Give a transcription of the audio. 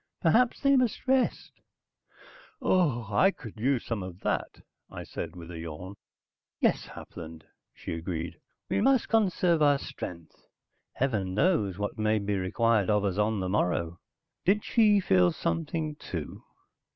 "Perhaps they must rest." "I could use some of that," I said with a yawn. "Yes, Hapland," she agreed. "We must conserve our strength. Heaven knows what may be required of us on the morrow." Did she feel something, too?